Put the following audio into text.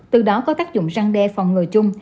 từ đó có tác dụng răng đe phòng ngừa chung